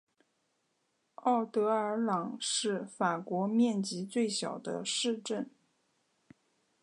沃德尔朗是法国面积最小的市镇。